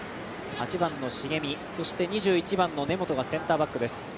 ８番の重見、２１番の根本がセンターバックです。